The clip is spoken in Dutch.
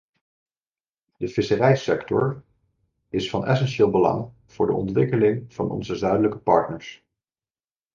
De visserijsector is van essentieel belang voor de ontwikkeling van onze zuidelijke partners.